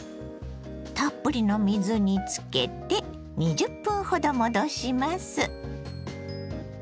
たっぷりの水につけて２０分ほど戻します。